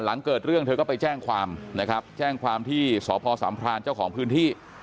หลังเกิดเรื่องเธอก็ไปแจ้งความนะครับแจ้งความที่สพสามพรานเจ้าของพื้นที่